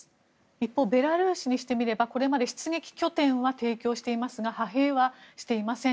一方ベラルーシにしてみればこれまで出撃拠点は提供していますが派兵はしていません。